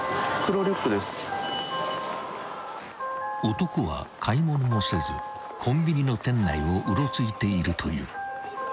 ［男は買い物もせずコンビニの店内をうろついているという］